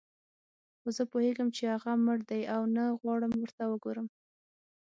خو زه پوهېږم چې هغه مړ دی او نه غواړم ورته وګورم.